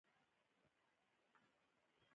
د داودي ګل د څه لپاره وکاروم؟